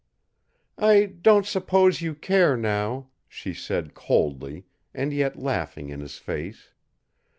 "I don't suppose you care now," she said coldly, and yet laughing in his face.